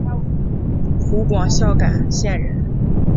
湖广孝感县人。